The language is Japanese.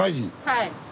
はい。